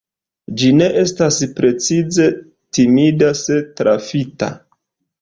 Ĝi ne estas precize timida se trafita.